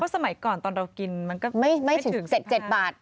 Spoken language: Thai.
สมัยก่อนตอนเรากินมันก็ไม่ถึง๗๗บาท